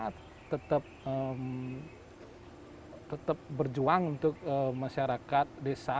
kita tetap berjuang untuk masyarakat desa